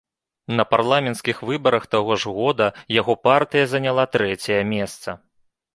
На парламенцкіх выбарах таго ж года яго партыя заняла трэцяе месца.